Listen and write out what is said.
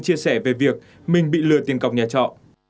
chia sẻ về việc mình bị lừa tiền cọc nhà trọ